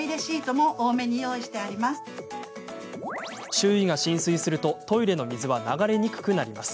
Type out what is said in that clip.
周囲が浸水するとトイレの水は流れにくくなります。